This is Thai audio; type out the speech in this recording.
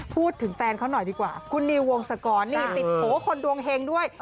พูดถึงแฟนเขาหน่อยดีกว่าคุณนิววงศกรนี่ติดโผล่คนดวงเฮงด้วย